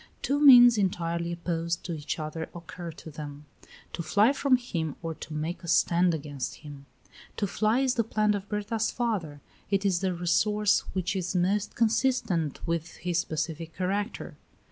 Two means entirely opposed to each other occur to them to fly from him or to make a stand against him. To fly is the plan of Berta's father; it is the resource which is most consistent with his pacific character.